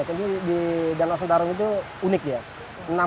tapi di danau sentarung itu unik ya